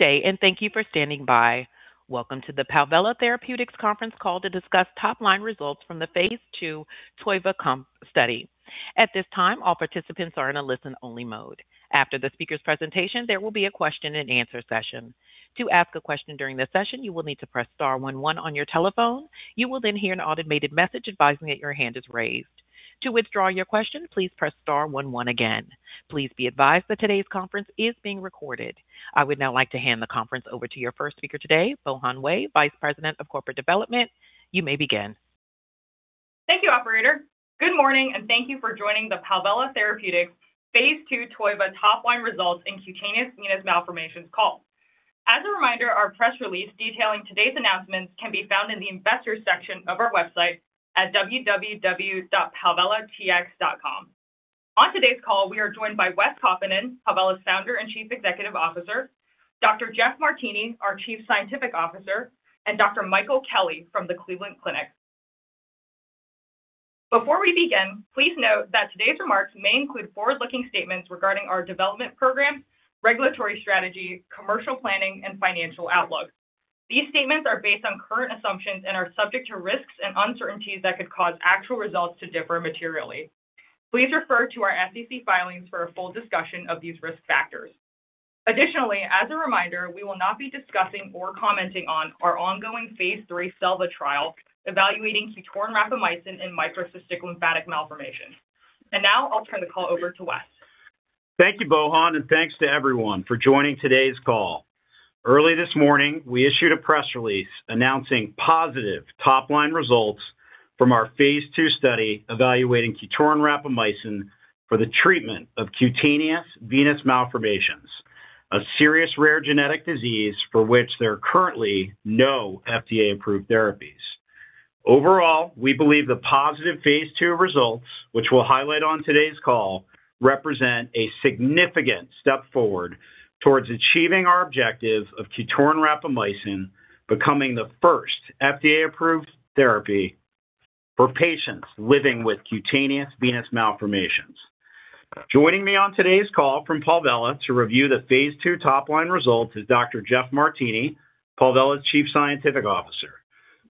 Good day, and thank you for standing by. Welcome to the Palvella Therapeutics Conference Call to discuss top-line results Phase IITOIVA study. At this time, all participants are in a listen-only mode. After the speaker's presentation, there will be a question-and-answer session. To ask a question during this session, you will need to press star one one on your telephone. You will then hear an automated message advising that your hand is raised. To withdraw your question, please press star one one again. Please be advised that today's conference is being recorded. I would now like to hand the conference over to your first speaker today, Bohan Wei, Vice President of Corporate Development. You may begin. Thank you, Operator. Good morning, and thank you for joining the Phase II TOIVA top-line results in cutaneous venous malformations call. As a reminder, our press release detailing today's announcements can be found in the investor section of our website at www.palvellatx.com. On today's call, we are joined by Wes Kaupinen, Palvella's founder and Chief Executive Officer, Dr. Jeff Martini, our Chief Scientific Officer, and Dr. Michael Kelly from the Cleveland Clinic. Before we begin, please note that today's remarks may include forward-looking statements regarding our development program, regulatory strategy, commercial planning, and financial outlook. These statements are based on current assumptions and are subject to risks and uncertainties that could cause actual results to differ materially. Please refer to our SEC filings for a full discussion of these risk factors. Additionally, as a reminder, we will not be discussing or commenting Phase III SELVA trial evaluating QTORIN rapamycin in microcystic lymphatic malformations. And now, I'll turn the call over to Wes. Thank you, Bohan, and thanks to everyone for joining today's call. Early this morning, we issued a press release announcing positive top-line results Phase II study evaluating QTORIN rapamycin for the treatment of cutaneous venous malformations, a serious rare genetic disease for which there are currently no FDA-approved therapies. Overall, we believe Phase II results, which we'll highlight on today's call, represent a significant step forward towards achieving our objective of QTORIN rapamycin becoming the first FDA-approved therapy for patients living with cutaneous venous malformations. Joining me on today's call from Palvella to Phase II top-line results is Dr. Jeff Martini, Palvella's chief scientific officer.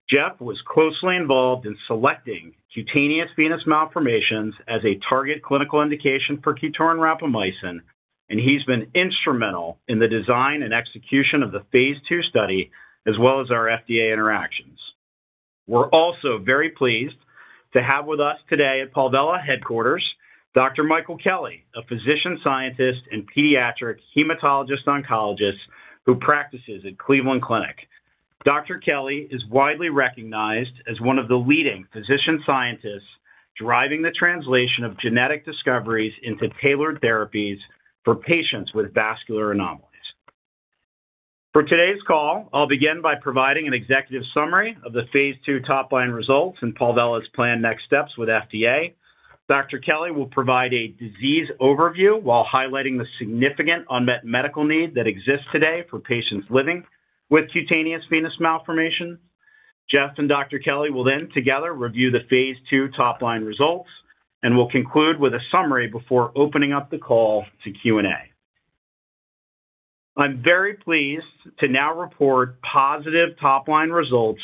Jeff was closely involved in selecting cutaneous venous malformations as a target clinical indication for QTORIN rapamycin, and he's been instrumental in the design and execution Phase II study as well as our FDA interactions. We're also very pleased to have with us today at Palvella Headquarters Dr. Michael Kelly, a physician scientist and pediatric hematologist-oncologist who practices at Cleveland Clinic. Dr. Kelly is widely recognized as one of the leading physician scientists driving the translation of genetic discoveries into tailored therapies for patients with vascular anomalies. For today's call, I'll begin by providing an executive summary Phase II top-line results and Palvella's planned next steps with FDA. Dr. Kelly will provide a disease overview while highlighting the significant unmet medical need that exists today for patients living with cutaneous venous malformations. Jeff and Dr. Kelly will then together Phase II top-line results and will conclude with a summary before opening up the call to Q&A. I'm very pleased to now report positive top-line results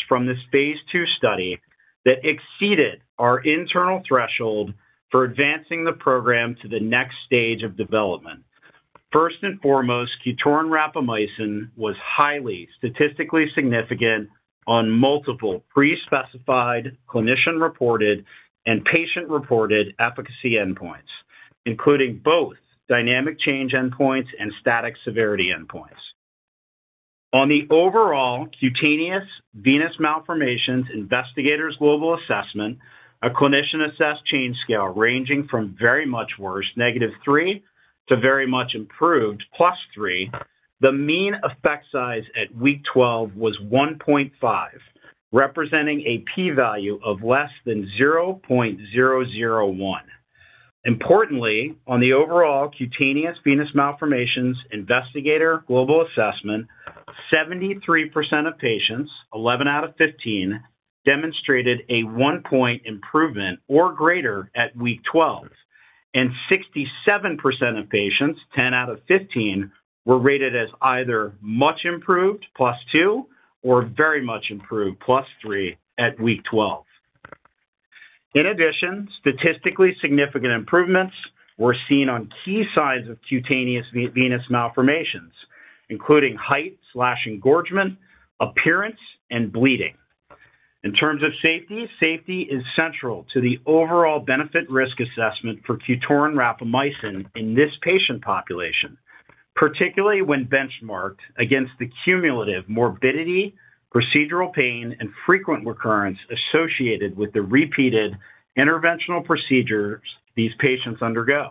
Phase II study that exceeded our internal threshold for advancing the program to the next stage of development. First and foremost, QTORIN rapamycin was highly statistically significant on multiple pre-specified clinician-reported and patient-reported efficacy endpoints, including both dynamic change endpoints and static severity endpoints. On the overall cutaneous venous malformations investigators' global assessment, a clinician-assessed change scale ranging from very much worse, negative three, to very much improved, plus three, the mean effect size at week 12 was 1.5, representing a p-value of less than 0.001. Importantly, on the overall cutaneous venous malformations investigator global assessment, 73% of patients, 11 out of 15, demonstrated a one-point improvement or greater at week 12, and 67% of patients, 10 out of 15, were rated as either much improved, plus two, or very much improved, plus three, at week 12. In addition, statistically significant improvements were seen on key sides of cutaneous venous malformations, including height/engorgement, appearance, and bleeding. In terms of safety, safety is central to the overall benefit-risk assessment for QTORIN rapamycin in this patient population, particularly when benchmarked against the cumulative morbidity, procedural pain, and frequent recurrence associated with the repeated interventional procedures these patients undergo.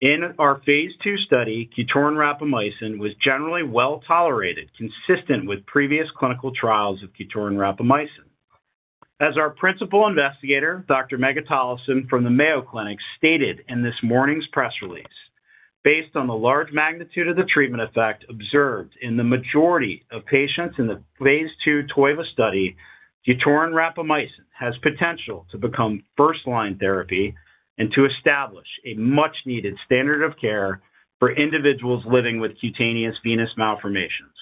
Phase II study, qtorin rapamycin was generally well tolerated, consistent with previous clinical trials of QTORIN rapamycin. As our principal investigator, Dr. Tollefson from the Mayo Clinic stated in this morning's press release, "Based on the large magnitude of the treatment effect observed in the majority of patients Phase II TOIVA study, QTORIN rapamycin has potential to become first-line therapy and to establish a much-needed standard of care for individuals living with cutaneous venous malformations."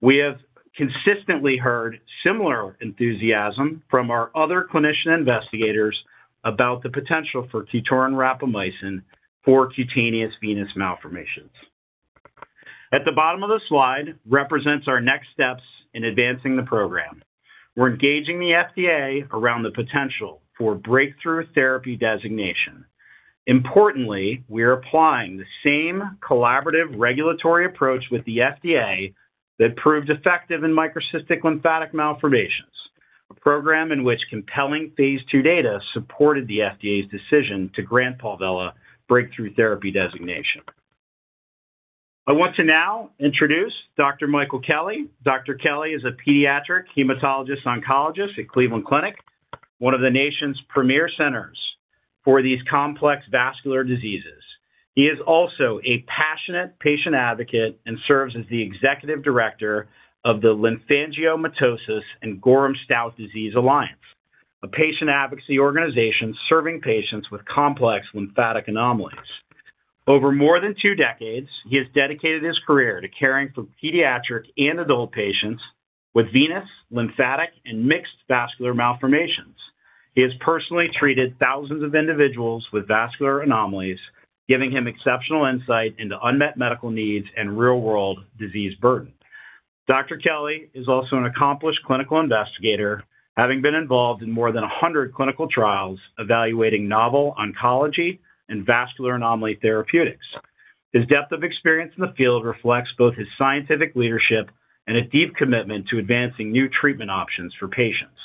We have consistently heard similar enthusiasm from our other clinician investigators about the potential for QTORIN rapamycin for cutaneous venous malformations. At the bottom of the slide represents our next steps in advancing the program. We're engaging the FDA around the potential for breakthrough therapy designation. Importantly, we are applying the same collaborative regulatory approach with the FDA that proved effective in microcystic lymphatic malformations, a program in Phase II data supported the FDA's decision to grant Palvella Breakthrough Therapy designation. I want to now introduce Dr. Michael Kelly. Dr. Kelly is a pediatric hematologist-oncologist at Cleveland Clinic, one of the nation's premier centers for these complex vascular diseases. He is also a passionate patient advocate and serves as the executive director of the Lymphangiomatosis and Gorham Disease Alliance, a patient advocacy organization serving patients with complex lymphatic anomalies. Over more than two decades, he has dedicated his career to caring for pediatric and adult patients with venous, lymphatic, and mixed vascular malformations. He has personally treated thousands of individuals with vascular anomalies, giving him exceptional insight into unmet medical needs and real-world disease burden. Dr. Kelly is also an accomplished clinical investigator, having been involved in more than 100 clinical trials evaluating novel oncology and vascular anomaly therapeutics. His depth of experience in the field reflects both his scientific leadership and a deep commitment to advancing new treatment options for patients.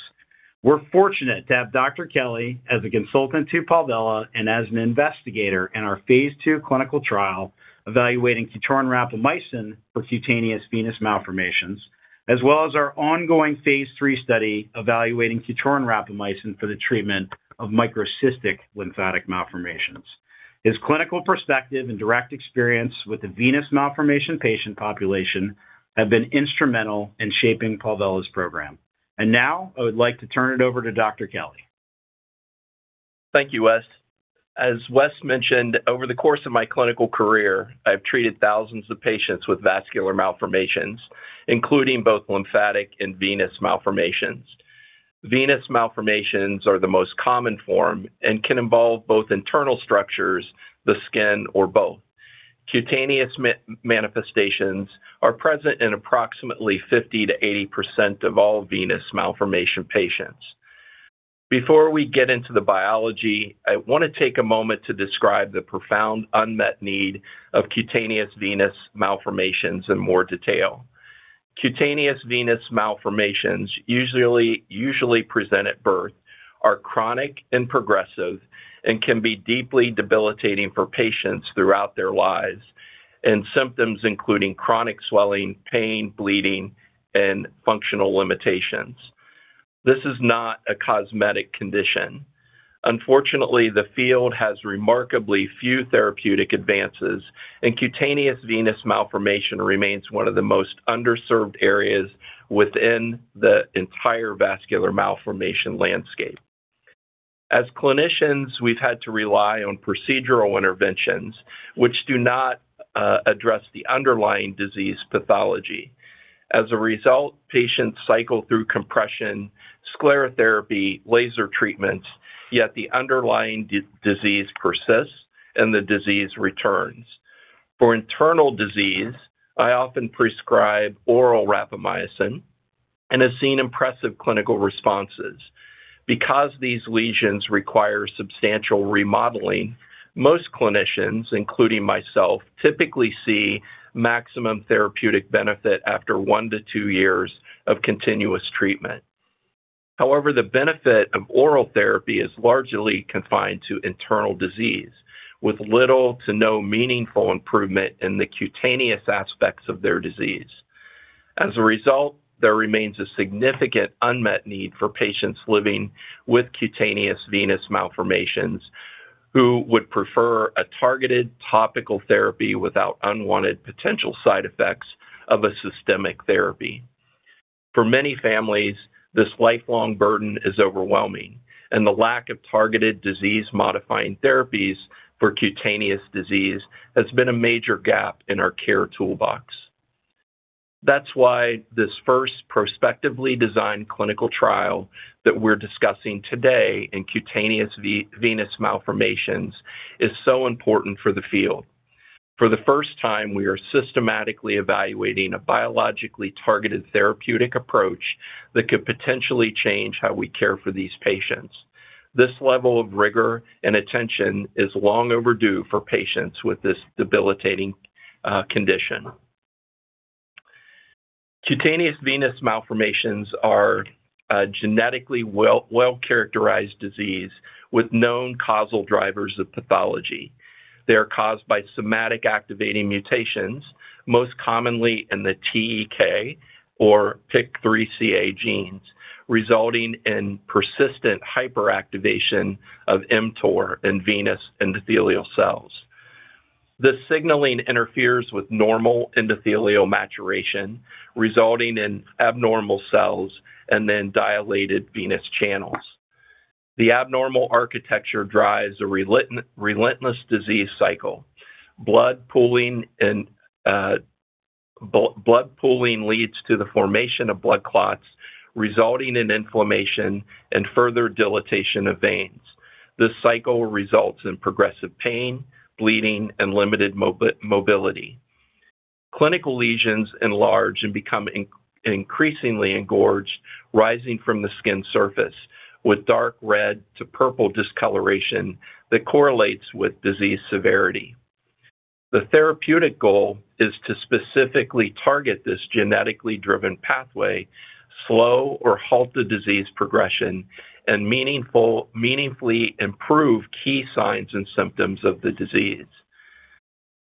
We're fortunate to have Dr. Kelly as a consultant to Palvella and as an investigator Phase II clinical trial evaluating QTORIN rapamycin for cutaneous venous malformations, as well Phase III study evaluating qtorin rapamycin for the treatment of microcystic lymphatic malformations. His clinical perspective and direct experience with the venous malformation patient population have been instrumental in shaping Palvella's program. And now, I would like to turn it over to Dr. Kelly. Thank you, Wes. As Wes mentioned, over the course of my clinical career, I've treated thousands of patients with vascular malformations, including both lymphatic and venous malformations. Venous malformations are the most common form and can involve both internal structures, the skin, or both. Cutaneous manifestations are present in approximately 50%-80% of all venous malformation patients. Before we get into the biology, I want to take a moment to describe the profound unmet need of cutaneous venous malformations in more detail. Cutaneous venous malformations, usually present at birth, are chronic and progressive and can be deeply debilitating for patients throughout their lives, and symptoms include chronic swelling, pain, bleeding, and functional limitations. This is not a cosmetic condition. Unfortunately, the field has remarkably few therapeutic advances, and cutaneous venous malformation remains one of the most underserved areas within the entire vascular malformation landscape. As clinicians, we've had to rely on procedural interventions, which do not address the underlying disease pathology. As a result, patients cycle through compression, sclerotherapy, laser treatments, yet the underlying disease persists and the disease returns. For internal disease, I often prescribe oral rapamycin and have seen impressive clinical responses. Because these lesions require substantial remodeling, most clinicians, including myself, typically see maximum therapeutic benefit after one to two years of continuous treatment. However, the benefit of oral therapy is largely confined to internal disease, with little to no meaningful improvement in the cutaneous aspects of their disease. As a result, there remains a significant unmet need for patients living with cutaneous venous malformations who would prefer a targeted topical therapy without unwanted potential side effects of a systemic therapy. For many families, this lifelong burden is overwhelming, and the lack of targeted disease-modifying therapies for cutaneous disease has been a major gap in our care toolbox. That's why this first prospectively designed clinical trial that we're discussing today in cutaneous venous malformations is so important for the field. For the first time, we are systematically evaluating a biologically targeted therapeutic approach that could potentially change how we care for these patients. This level of rigor and attention is long overdue for patients with this debilitating condition. Cutaneous venous malformations are a genetically well-characterized disease with known causal drivers of pathology. They are caused by somatic activating mutations, most commonly in the TEK or PIK3CA genes, resulting in persistent hyperactivation of mTOR in venous endothelial cells. This signaling interferes with normal endothelial maturation, resulting in abnormal cells and then dilated venous channels. The abnormal architecture drives a relentless disease cycle. Blood pooling leads to the formation of blood clots, resulting in inflammation and further dilatation of veins. This cycle results in progressive pain, bleeding, and limited mobility. Clinical lesions enlarge and become increasingly engorged, rising from the skin surface with dark red to purple discoloration that correlates with disease severity. The therapeutic goal is to specifically target this genetically driven pathway, slow or halt the disease progression, and meaningfully improve key signs and symptoms of the disease.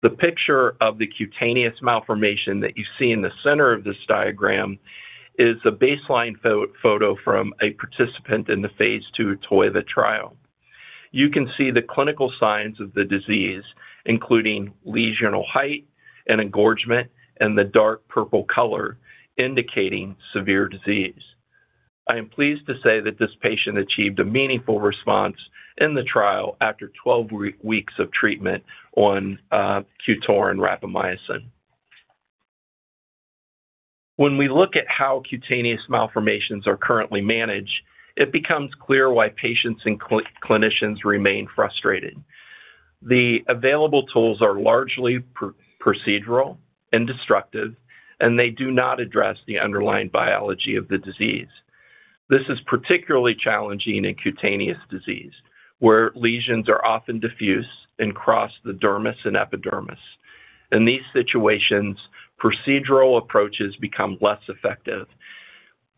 The picture of the cutaneous malformation that you see in the center of this diagram is a baseline photo from a participant Phase II TOIVA trial. You can see the clinical signs of the disease, including lesional height and engorgement and the dark purple color indicating severe disease. I am pleased to say that this patient achieved a meaningful response in the trial after 12 weeks of treatment on QTORIN rapamycin. When we look at how cutaneous malformations are currently managed, it becomes clear why patients and clinicians remain frustrated. The available tools are largely procedural and destructive, and they do not address the underlying biology of the disease. This is particularly challenging in cutaneous disease, where lesions are often diffuse and cross the dermis and epidermis. In these situations, procedural approaches become less effective,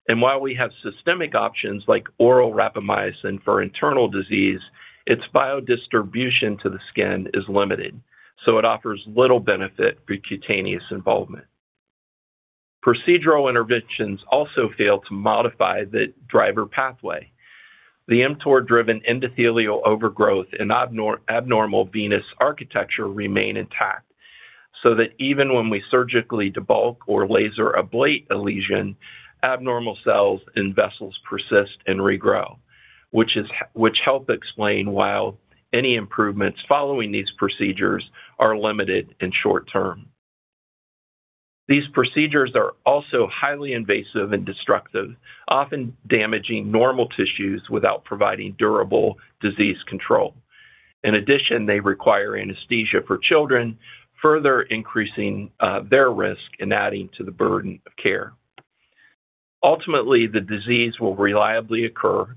and while we have systemic options like oral rapamycin for internal disease, its biodistribution to the skin is limited, so it offers little benefit for cutaneous involvement. Procedural interventions also fail to modify the driver pathway. The mTOR-driven endothelial overgrowth and abnormal venous architecture remain intact, so that even when we surgically debulk or laser ablate a lesion, abnormal cells and vessels persist and regrow, which help explain why any improvements following these procedures are limited in short term. These procedures are also highly invasive and destructive, often damaging normal tissues without providing durable disease control. In addition, they require anesthesia for children, further increasing their risk and adding to the burden of care. Ultimately, the disease will reliably occur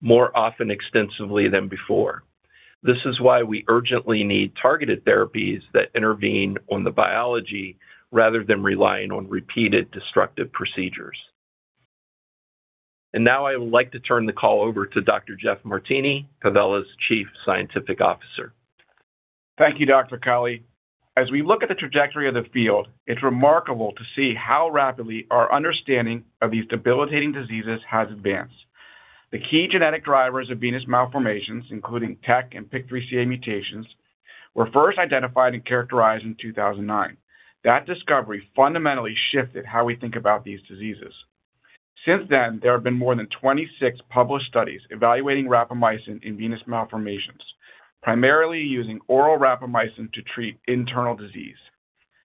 more often extensively than before. This is why we urgently need targeted therapies that intervene on the biology rather than relying on repeated destructive procedures. And now, I would like to turn the call over to Dr. Jeff Martini, Palvella's Chief Scientific Officer. Thank you, Dr. Kelly. As we look at the trajectory of the field, it's remarkable to see how rapidly our understanding of these debilitating diseases has advanced. The key genetic drivers of venous malformations, including TEK and PIK3CA mutations, were first identified and characterized in 2009. That discovery fundamentally shifted how we think about these diseases. Since then, there have been more than 26 published studies evaluating rapamycin in venous malformations, primarily using oral rapamycin to treat internal disease.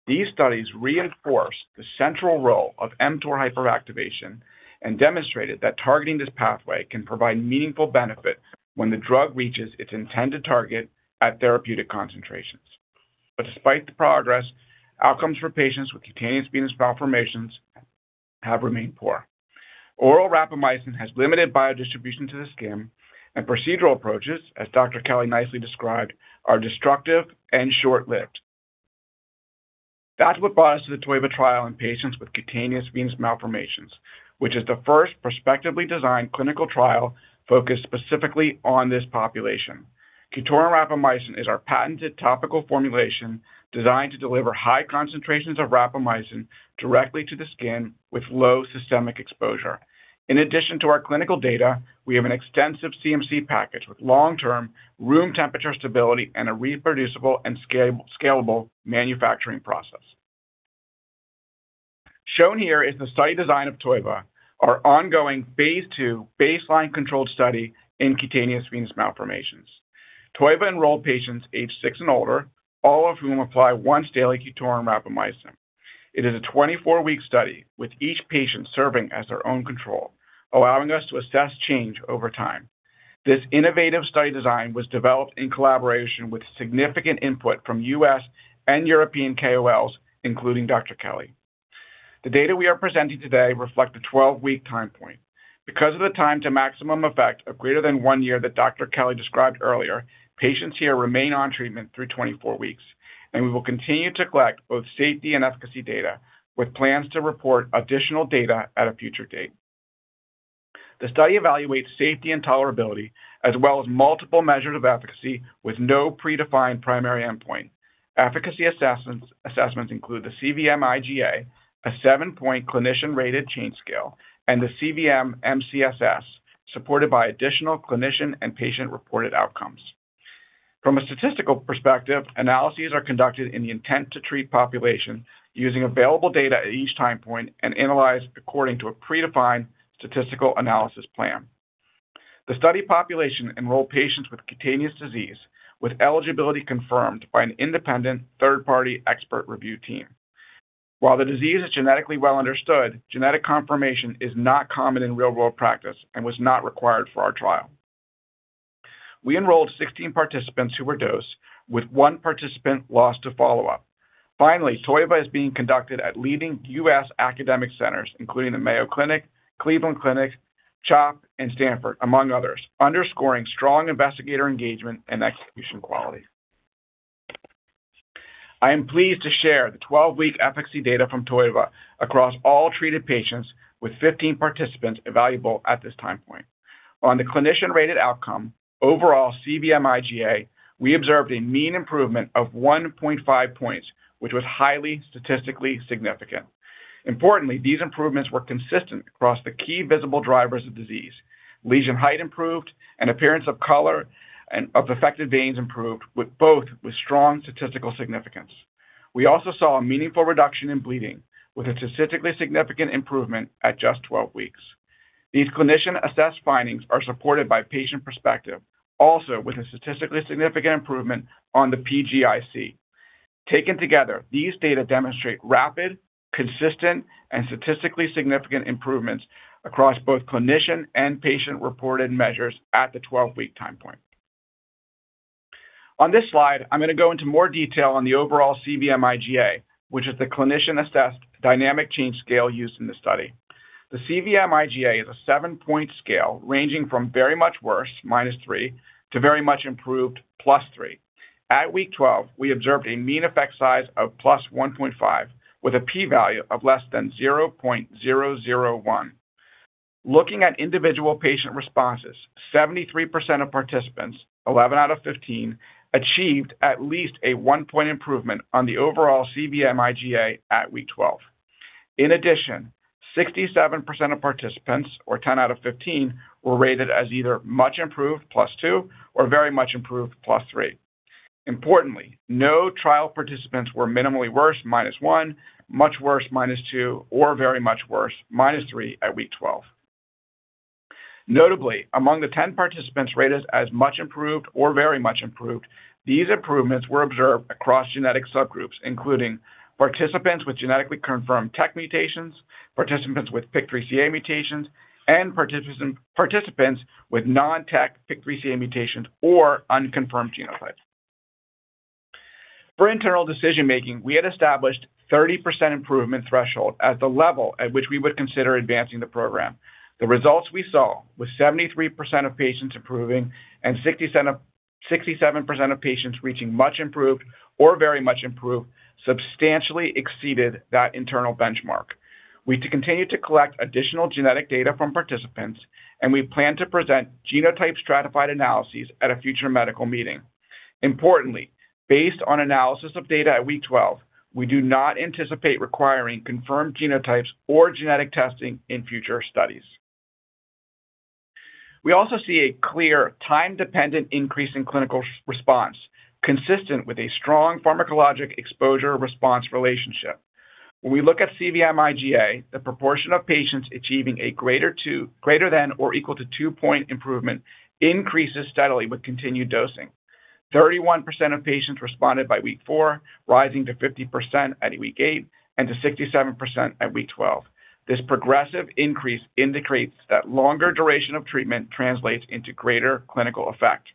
These studies reinforce the central role of mTOR hyperactivation and demonstrated that targeting this pathway can provide meaningful benefit when the drug reaches its intended target at therapeutic concentrations. But despite the progress, outcomes for patients with cutaneous venous malformations have remained poor. Oral rapamycin has limited biodistribution to the skin, and procedural approaches, as Dr. Kelly nicely described, are destructive and short-lived. That's what brought us to the TOIVA trial in patients with cutaneous venous malformations, which is the first prospectively designed clinical trial focused specifically on this population. QTORIN rapamycin is our patented topical formulation designed to deliver high concentrations of rapamycin directly to the skin with low systemic exposure. In addition to our clinical data, we have an extensive CMC package with long-term room temperature stability and a reproducible and scalable manufacturing process. Shown here is the study design of TOIVA, Phase II baseline controlled study in cutaneous venous malformations. TOIVA enrolled patients age six and older, all of whom apply once daily QTORIN rapamycin. It is a 24-week study with each patient serving as their own control, allowing us to assess change over time. This innovative study design was developed in collaboration with significant input from U.S. and European KOLs, including Dr. Kelly. The data we are presenting today reflect the 12-week time point. Because of the time to maximum effect of greater than one year that Dr. Kelly described earlier, patients here remain on treatment through 24 weeks, and we will continue to collect both safety and efficacy data with plans to report additional data at a future date. The study evaluates safety and tolerability as well as multiple measures of efficacy with no predefined primary endpoint. Efficacy assessments include the cVM-IGA, a seven-point clinician-rated change scale, and the cVM-MCSS, supported by additional clinician and patient-reported outcomes. From a statistical perspective, analyses are conducted in the intent-to-treat population using available data at each time point and analyzed according to a predefined statistical analysis plan. The study population enrolled patients with cutaneous disease with eligibility confirmed by an independent third-party expert review team. While the disease is genetically well understood, genetic confirmation is not common in real-world practice and was not required for our trial. We enrolled 16 participants who were dosed, with one participant lost to follow-up. Finally, TOIVA is being conducted at leading U.S. academic centers, including the Mayo Clinic, Cleveland Clinic, CHOP, and Stanford, among others, underscoring strong investigator engagement and execution quality. I am pleased to share the 12-week efficacy data from TOIVA across all treated patients with 15 participants evaluable at this time point. On the clinician-rated outcome, overall cVM-IGA, we observed a mean improvement of 1.5 points, which was highly statistically significant. Importantly, these improvements were consistent across the key visible drivers of disease. Lesion height improved, and appearance of color and of affected veins improved, both with strong statistical significance. We also saw a meaningful reduction in bleeding with a statistically significant improvement at just 12 weeks. These clinician-assessed findings are supported by patient perspective, also with a statistically significant improvement on the PGIC. Taken together, these data demonstrate rapid, consistent, and statistically significant improvements across both clinician and patient-reported measures at the 12-week time point. On this slide, I'm going to go into more detail on the overall cVM-IGA, which is the clinician-assessed dynamic change scale used in the study. The cVM-IGA is a 7-point scale ranging from very much worse, minus 3, to very much improved, plus 3. At week 12, we observed a mean effect size of plus 1.5, with a p-value of less than 0.001. Looking at individual patient responses, 73% of participants, 11 out of 15, achieved at least a 1-point improvement on the overall cVM-IGA at week 12. In addition, 67% of participants, or 10 out of 15, were rated as either much improved, plus 2, or very much improved, plus 3. Importantly, no trial participants were minimally worse, minus 1, much worse, minus 2, or very much worse, minus 3 at week 12. Notably, among the 10 participants rated as much improved or very much improved, these improvements were observed across genetic subgroups, including participants with genetically confirmed TEK mutations, participants with PIK3CA mutations, and participants with non-TEK PIK3CA mutations or unconfirmed genotypes. For internal decision-making, we had established a 30% improvement threshold as the level at which we would consider advancing the program. The results we saw with 73% of patients improving and 67% of patients reaching much improved or very much improved substantially exceeded that internal benchmark. We continue to collect additional genetic data from participants, and we plan to present genotype stratified analyses at a future medical meeting. Importantly, based on analysis of data at week 12, we do not anticipate requiring confirmed genotypes or genetic testing in future studies. We also see a clear time-dependent increase in clinical response, consistent with a strong pharmacologic exposure-response relationship. When we look at cVM-IGA, the proportion of patients achieving a greater than or equal to 2-point improvement increases steadily with continued dosing. 31% of patients responded by week 4, rising to 50% at week 8 and to 67% at week 12. This progressive increase indicates that longer duration of treatment translates into greater clinical effect.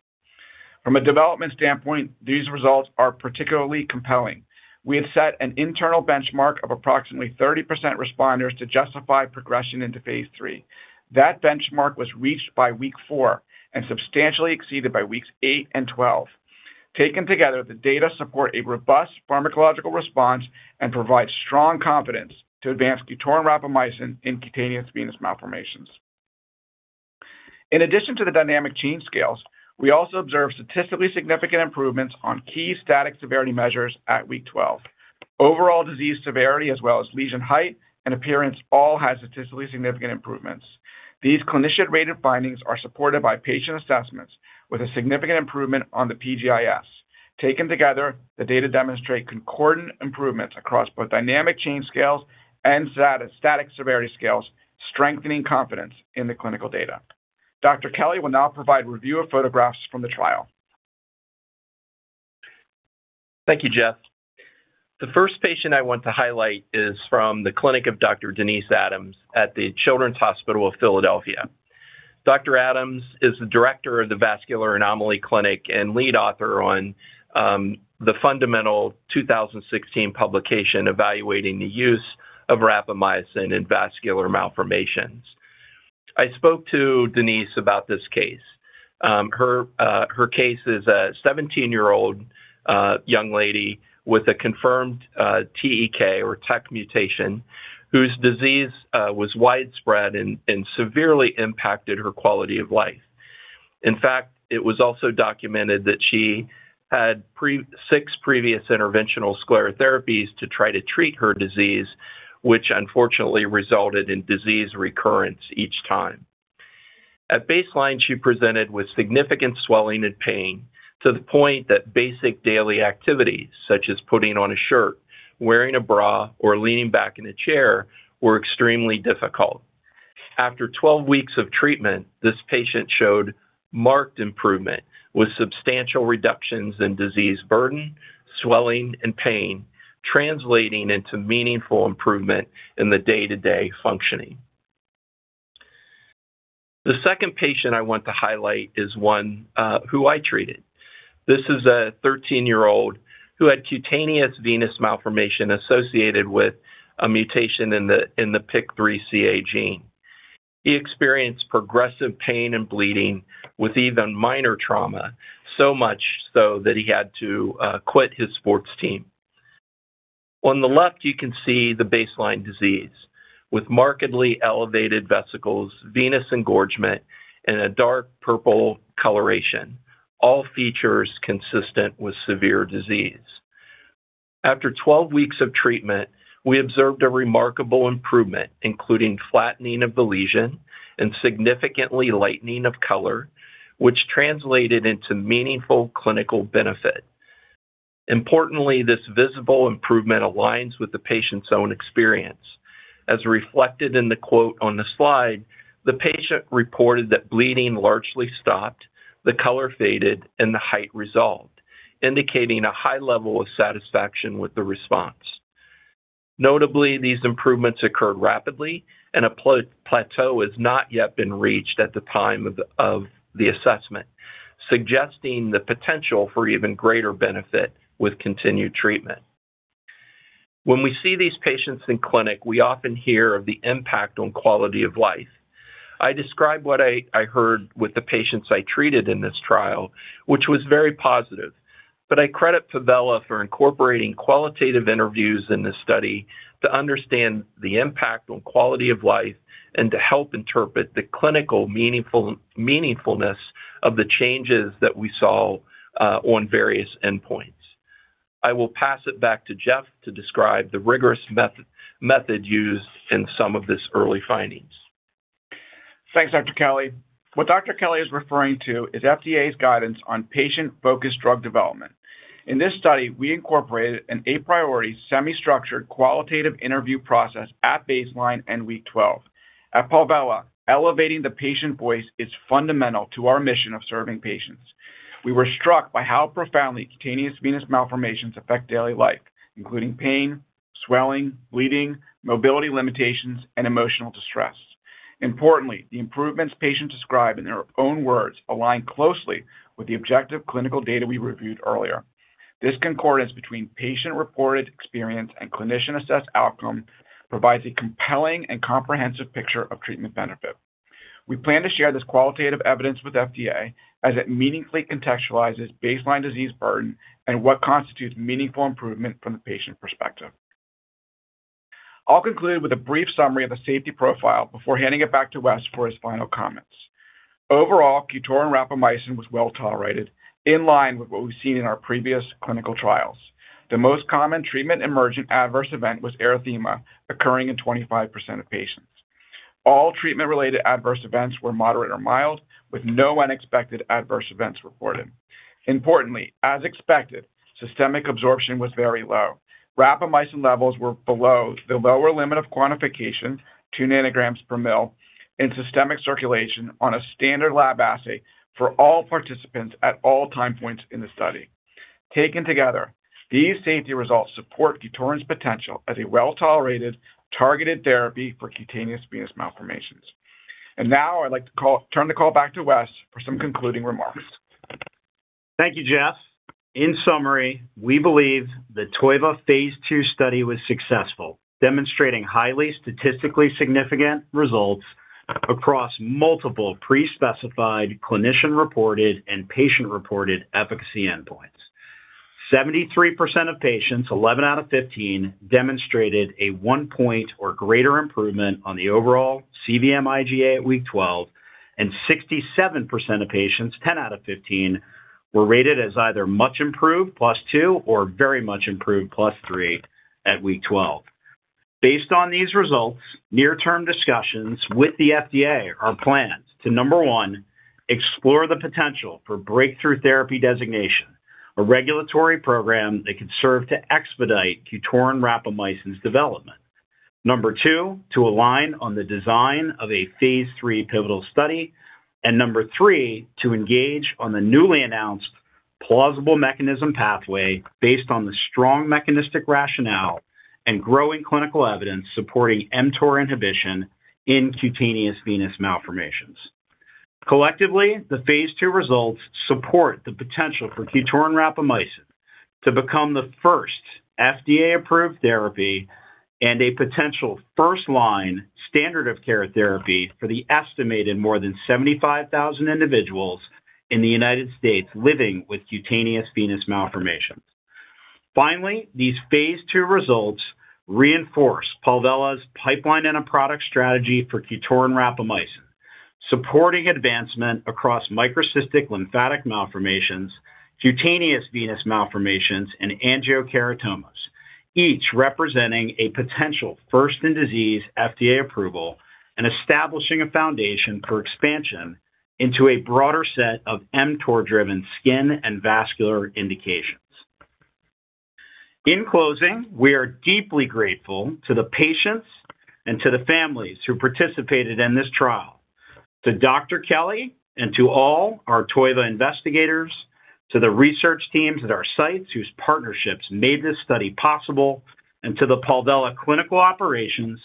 From a development standpoint, these results are particularly compelling. We had set an internal benchmark of approximately 30% responders to justify progression into Phase III. That benchmark was reached by week four and substantially exceeded by weeks eight and 12. Taken together, the data support a robust pharmacological response and provide strong confidence to advance QTORIN rapamycin in cutaneous venous malformations. In addition to the dynamic change scales, we also observed statistically significant improvements on key static severity measures at week 12. Overall disease severity, as well as lesion height and appearance, all had statistically significant improvements. These clinician-rated findings are supported by patient assessments with a significant improvement on the PGIS. Taken together, the data demonstrate concordant improvements across both dynamic change scales and static severity scales, strengthening confidence in the clinical data. Dr. Kelly will now provide a review of photographs from the trial. Thank you, Jeff. The first patient I want to highlight is from the clinic of Dr. Denise Adams at the Children's Hospital of Philadelphia. Dr. Adams is the director of the Vascular Anomaly Clinic and lead author on the fundamental 2016 publication evaluating the use of rapamycin in vascular malformations. I spoke to Denise about this case. Her case is a 17-year-old young lady with a confirmed TEK or TEK mutation whose disease was widespread and severely impacted her quality of life. In fact, it was also documented that she had six previous interventional sclerotherapies to try to treat her disease, which unfortunately resulted in disease recurrence each time. At baseline, she presented with significant swelling and pain to the point that basic daily activities, such as putting on a shirt, wearing a bra, or leaning back in a chair, were extremely difficult. After 12 weeks of treatment, this patient showed marked improvement with substantial reductions in disease burden, swelling, and pain, translating into meaningful improvement in the day-to-day functioning. The second patient I want to highlight is one who I treated. This is a 13-year-old who had cutaneous venous malformation associated with a mutation in the PIK3CA gene. He experienced progressive pain and bleeding with even minor trauma, so much so that he had to quit his sports team. On the left, you can see the baseline disease with markedly elevated vesicles, venous engorgement, and a dark purple coloration, all features consistent with severe disease. After 12 weeks of treatment, we observed a remarkable improvement, including flattening of the lesion and significantly lightening of color, which translated into meaningful clinical benefit. Importantly, this visible improvement aligns with the patient's own experience. As reflected in the quote on the slide, the patient reported that bleeding largely stopped, the color faded, and the height resolved, indicating a high level of satisfaction with the response. Notably, these improvements occurred rapidly, and a plateau has not yet been reached at the time of the assessment, suggesting the potential for even greater benefit with continued treatment. When we see these patients in clinic, we often hear of the impact on quality of life. I describe what I heard with the patients I treated in this trial, which was very positive. But I credit Palvella for incorporating qualitative interviews in this study to understand the impact on quality of life and to help interpret the clinical meaningfulness of the changes that we saw on various endpoints. I will pass it back to Jeff to describe the rigorous method used in some of these early findings. Thanks, Dr. Kelly. What Dr. Kelly is referring to is FDA's guidance on patient-focused drug development. In this study, we incorporated a priority semi-structured qualitative interview process at baseline and week 12. At Palvella, elevating the patient voice is fundamental to our mission of serving patients. We were struck by how profoundly cutaneous venous malformations affect daily life, including pain, swelling, bleeding, mobility limitations, and emotional distress. Importantly, the improvements patients describe in their own words align closely with the objective clinical data we reviewed earlier. This concordance between patient-reported experience and clinician-assessed outcome provides a compelling and comprehensive picture of treatment benefit. We plan to share this qualitative evidence with FDA as it meaningfully contextualizes baseline disease burden and what constitutes meaningful improvement from the patient perspective. I'll conclude with a brief summary of the safety profile before handing it back to Wes for his final comments. Overall, QTORIN rapamycin was well tolerated, in line with what we've seen in our previous clinical trials. The most common treatment-emergent adverse event was erythema, occurring in 25% of patients. All treatment-related adverse events were moderate or mild, with no unexpected adverse events reported. Importantly, as expected, systemic absorption was very low. Rapamycin levels were below the lower limit of quantification two nanograms per mL in systemic circulation on a standard lab assay for all participants at all time points in the study. Taken together, these safety results support QTORIN's potential as a well-tolerated, targeted therapy for cutaneous venous malformations, and now I'd like to turn the call back to Wes for some concluding remarks. Thank you, Jeff. In summary, we believe Phase II study was successful, demonstrating highly statistically significant results across multiple pre-specified clinician-reported and patient-reported efficacy endpoints. 73% of patients, 11 out of 15, demonstrated a one-point or greater improvement on the overall cVM-IGA at week 12, and 67% of patients, 10 out of 15, were rated as either much improved, plus two, or very much improved, plus three at week 12. Based on these results, near-term discussions with the FDA are planned to, number one, explore the potential for breakthrough therapy designation, a regulatory program that could serve to expedite QTORIN rapamycin's development, number two, to align on the Phase III pivotal study, and number three, to engage on the newly announced plausible mechanism pathway based on the strong mechanistic rationale and growing clinical evidence supporting mTOR inhibition in cutaneous venous malformations. Phase II results support the potential for QTORIN rapamycin to become the first FDA-approved therapy and a potential first-line standard of care therapy for the estimated more than 75,000 individuals in the United States living with cutaneous venous malformations. Phase II results reinforce Palvella's pipeline and a product strategy for QTORIN rapamycin, supporting advancement across microcystic lymphatic malformations, cutaneous venous malformations, and angiokeratomas, each representing a potential first-in-disease FDA approval and establishing a foundation for expansion into a broader set of mTOR-driven skin and vascular indications. In closing, we are deeply grateful to the patients and to the families who participated in this trial, to Dr. Kelly and to all our TOIVA investigators, to the research teams at our sites whose partnerships made this study possible, and to the Palvella Clinical Operations,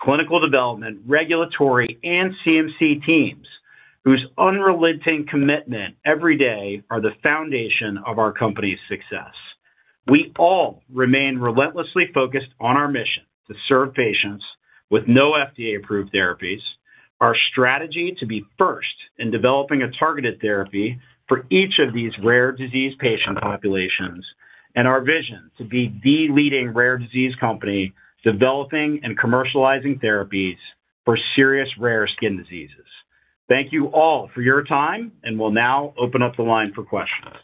Clinical Development, Regulatory, and CMC teams whose unrelenting commitment every day is the foundation of our company's success. We all remain relentlessly focused on our mission to serve patients with no FDA-approved therapies, our strategy to be first in developing a targeted therapy for each of these rare disease patient populations, and our vision to be the leading rare disease company developing and commercializing therapies for serious rare skin diseases. Thank you all for your time, and we'll now open up the line for questions.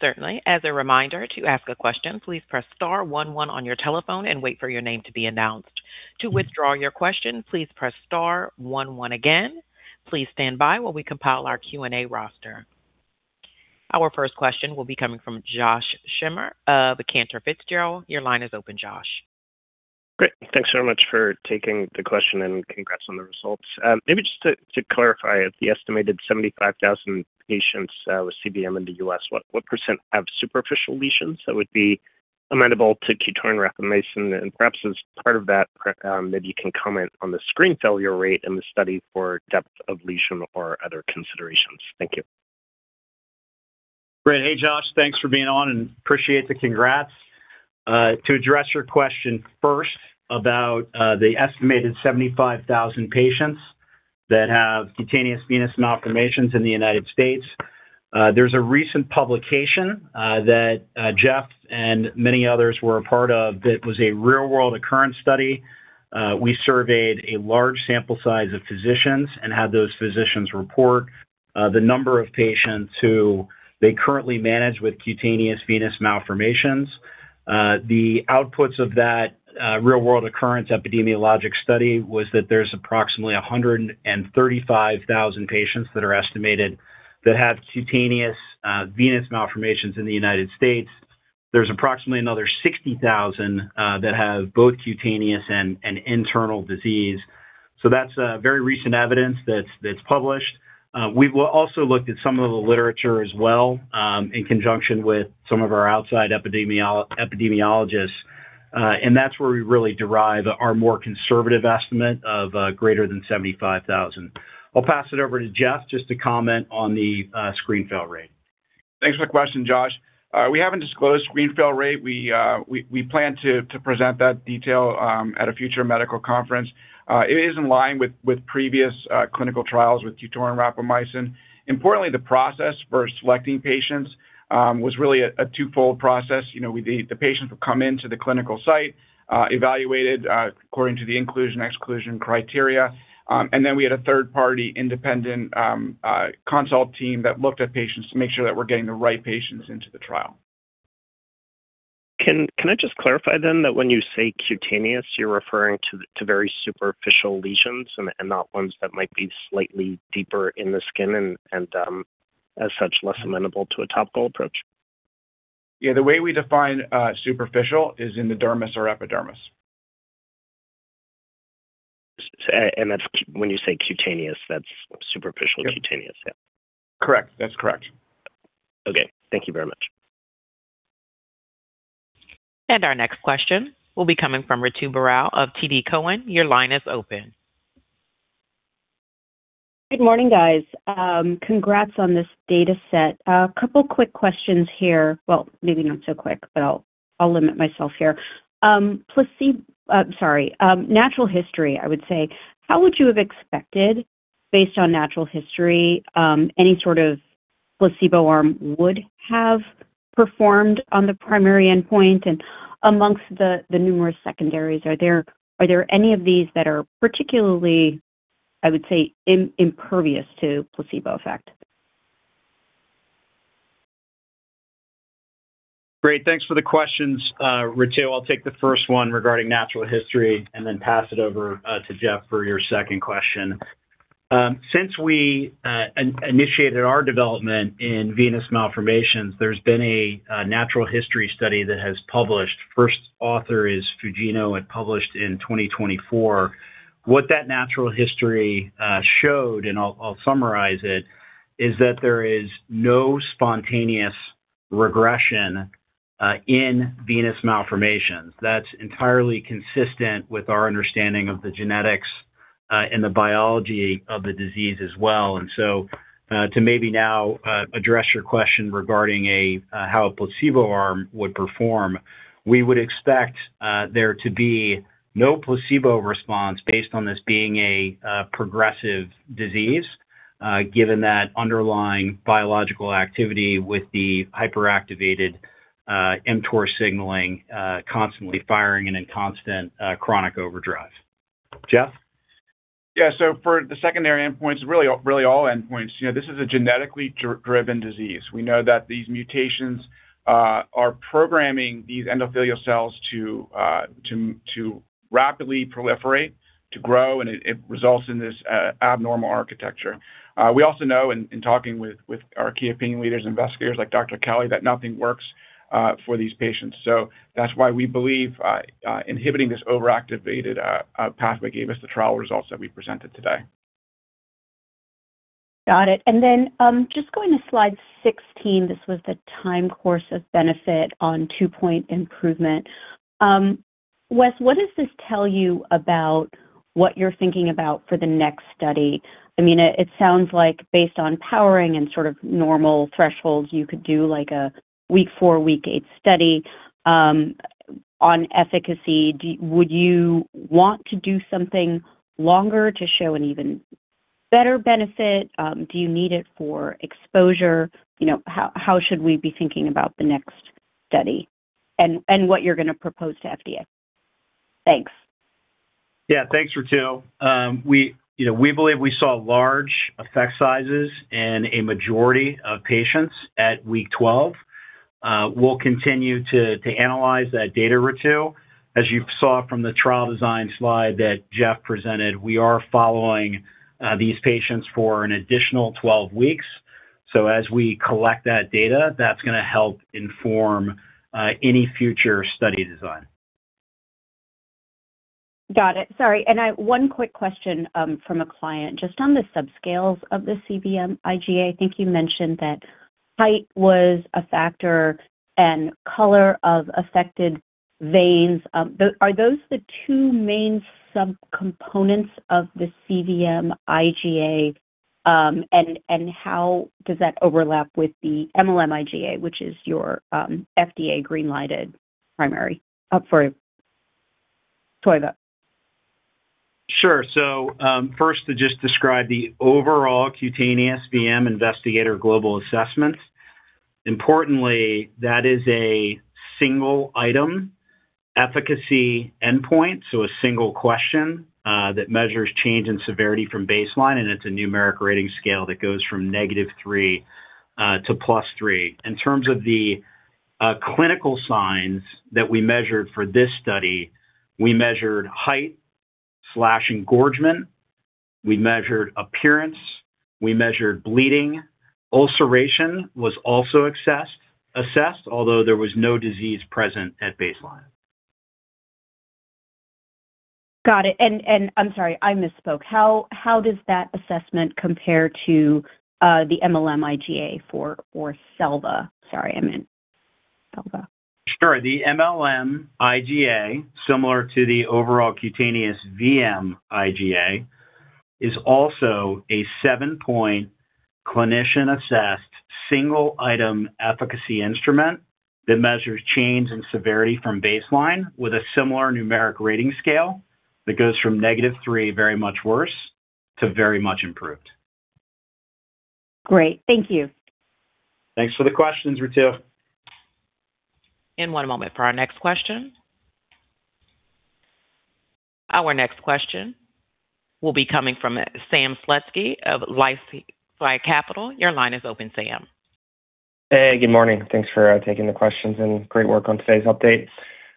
Certainly. As a reminder, to ask a question, please press star one one on your telephone and wait for your name to be announced. To withdraw your question, please press star one one again. Please stand by while we compile our Q&A roster. Our first question will be coming from Josh Schimmer of Cantor Fitzgerald. Your line is open, Josh. Great. Thanks so much for taking the question and congrats on the results. Maybe just to clarify, of the estimated 75,000 patients with cVM in the U.S., what % have superficial lesions that would be amenable to QTORIN rapamycin? And perhaps as part of that, maybe you can comment on the screen failure rate in the study for depth of lesion or other considerations. Thank you. Great. Hey, Josh. Thanks for being on, and appreciate the congrats. To address your question first about the estimated 75,000 patients that have cutaneous venous malformations in the United States, there's a recent publication that Jeff and many others were a part of that was a real-world occurrence study. We surveyed a large sample size of physicians and had those physicians report the number of patients who they currently manage with cutaneous venous malformations. The outputs of that real-world occurrence epidemiologic study were that there's approximately 135,000 patients that are estimated that have cutaneous venous malformations in the United States. There's approximately another 60,000 that have both cutaneous and internal disease. So that's very recent evidence that's published. We've also looked at some of the literature as well in conjunction with some of our outside epidemiologists, and that's where we really derive our more conservative estimate of greater than 75,000. I'll pass it over to Jeff just to comment on the screen fail rate. Thanks for the question, Josh. We haven't disclosed screen fail rate. We plan to present that detail at a future medical conference. It is in line with previous clinical trials with QTORIN rapamycin. Importantly, the process for selecting patients was really a twofold process. The patients would come into the clinical site, evaluated according to the inclusion/exclusion criteria, and then we had a third-party independent consult team that looked at patients to make sure that we're getting the right patients into the trial. Can I just clarify then that when you say cutaneous, you're referring to very superficial lesions and not ones that might be slightly deeper in the skin and, as such, less amenable to a topical approach? Yeah. The way we define superficial is in the dermis or epidermis. When you say cutaneous, that's superficial cutaneous, yeah. Correct. That's correct. Okay. Thank you very much. Our next question will be coming from Ritu Baral of TD Cowen. Your line is open. Good morning, guys. Congrats on this data set. A couple of quick questions here. Well, maybe not so quick, but I'll limit myself here. Sorry. Natural history, I would say. How would you have expected, based on natural history, any sort of placebo arm would have performed on the primary endpoint? And amongst the numerous secondaries, are there any of these that are particularly, I would say, impervious to placebo effect? Great. Thanks for the questions, Ritu. I'll take the first one regarding natural history and then pass it over to Jeff for your second question. Since we initiated our development in venous malformations, there's been a natural history study that has published. First author is Fujino and published in 2024. What that natural history showed, and I'll summarize it, is that there is no spontaneous regression in venous malformations. That's entirely consistent with our understanding of the genetics and the biology of the disease as well. And so to maybe now address your question regarding how a placebo arm would perform, we would expect there to be no placebo response based on this being a progressive disease, given that underlying biological activity with the hyperactivated mTOR signaling constantly firing and in constant chronic overdrive. Jeff? Yeah. So for the secondary endpoints, really all endpoints, this is a genetically driven disease. We know that these mutations are programming these endothelial cells to rapidly proliferate, to grow, and it results in this abnormal architecture. We also know, in talking with our key opinion leaders and investigators like Dr. Kelly, that nothing works for these patients. So that's why we believe inhibiting this overactivated pathway gave us the trial results that we presented today. Got it. And then just going to slide 16, this was the time course of benefit on two-point improvement. Wes, what does this tell you about what you're thinking about for the next study? I mean, it sounds like based on powering and sort of normal thresholds, you could do a week four, week eight study. On efficacy, would you want to do something longer to show an even better benefit? Do you need it for exposure? How should we be thinking about the next study and what you're going to propose to FDA? Thanks. Yeah. Thanks, Ritu. We believe we saw large effect sizes in a majority of patients at week 12. We'll continue to analyze that data, Ritu. As you saw from the trial design slide that Jeff presented, we are following these patients for an additional 12 weeks. So as we collect that data, that's going to help inform any future study design. Got it. Sorry. And one quick question from a client. Just on the subscales of the cVM-IGA, I think you mentioned that height was a factor and color of affected veins. Are those the two main subcomponents of the cVM-IGA? And how does that overlap with the mLM-IGA, which is your FDA greenlighted primary for TOIVA? Sure, so first, to just describe the overall cutaneous cVM investigator global assessments. Importantly, that is a single-item efficacy endpoint, so a single question that measures change in severity from baseline, and it's a numeric rating scale that goes from negative three to plus three. In terms of the clinical signs that we measured for this study, we measured height/engorgement. We measured appearance. We measured bleeding. Ulceration was also assessed, although there was no disease present at baseline. Got it. And I'm sorry, I misspoke. How does that assessment compare to the mLM-IGA for SELVA? Sorry, I meant SELVA. Sure. The mLM-IGA, similar to the overall cutaneous VM-IGA, is also a seven-point clinician-assessed single-item efficacy instrument that measures change in severity from baseline with a similar numeric rating scale that goes from negative three, very much worse, to very much improved. Great. Thank you. Thanks for the questions, Ritu. One moment for our next question. Our next question will be coming from Sam Slutsky of LifeSci Capital. Your line is open, Sam. Hey, good morning. Thanks for taking the questions and great work on today's update.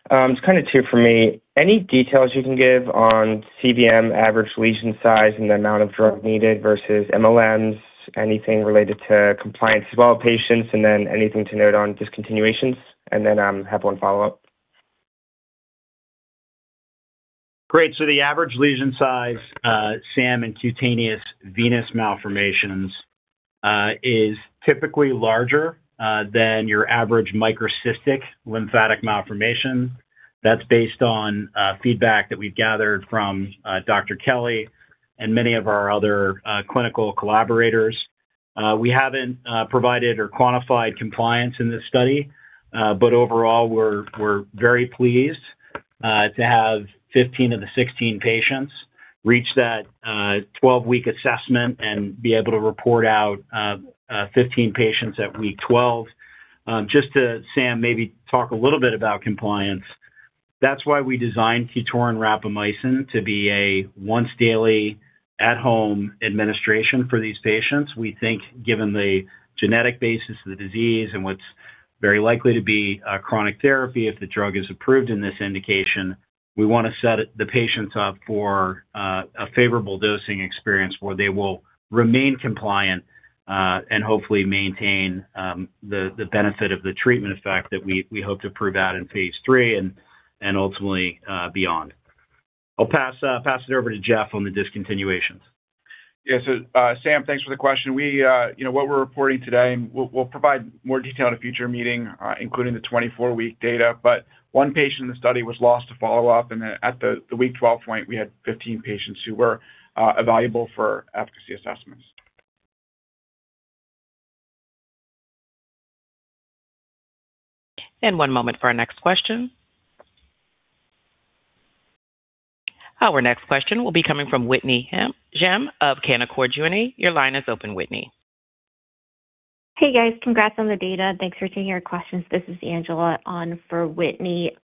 It's kind of two for me. Any details you can give on cVM average lesion size and the amount of drug needed versus MLMs? Anything related to compliance as well of patients? And then anything to note on discontinuations? And then have one follow-up. Great. So the average lesion size, Sam, in cutaneous venous malformations is typically larger than your average microcystic lymphatic malformation. That's based on feedback that we've gathered from Dr. Kelly and many of our other clinical collaborators. We haven't provided or quantified compliance in this study, but overall, we're very pleased to have 15 of the 16 patients reach that 12-week assessment and be able to report out 15 patients at week 12. Just to, Sam, maybe talk a little bit about compliance, that's why we designed QTORIN rapamycin to be a once-daily at-home administration for these patients. We think, given the genetic basis of the disease and what's very likely to be chronic therapy if the drug is approved in this indication, we want to set the patients up for a favorable dosing experience where they will remain compliant and hopefully maintain the benefit of the treatment effect that we hope to Phase III and ultimately beyond. I'll pass it over to Jeff on the discontinuations. Yeah. So, Sam, thanks for the question. What we're reporting today, we'll provide more detail in a future meeting, including the 24-week data. But one patient in the study was lost to follow-up, and at the week 12 point, we had 15 patients who were evaluable for efficacy assessments. One moment for our next question. Our next question will be coming from Whitney Ijem of Canaccord Genuity. Your line is open, Whitney. Hey, guys. Congrats on the data. Thanks for taking our questions. This is Angela on for Whitney.